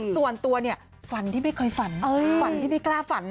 ส่วนตัวเนี่ยฝันที่ไม่เคยฝันฝันที่ไม่กล้าฝัน